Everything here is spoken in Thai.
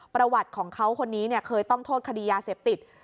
ประวัติของเขาคนนี้เคยต้องโทษคดียาเสพติด